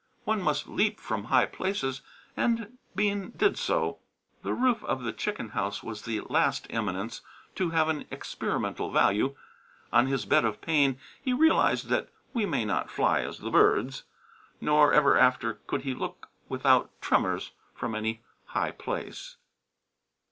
One must leap from high places, and Bean did so. The roof of the chicken house was the last eminence to have an experimental value. On his bed of pain he realized that we may not fly as the birds; nor ever after could he look without tremors from any high place.